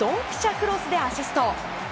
クロスでアシスト。